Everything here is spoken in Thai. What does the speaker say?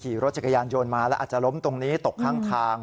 ขี่รถจักรยานยนต์มาแล้วอาจจะล้มตรงนี้ตกข้างทาง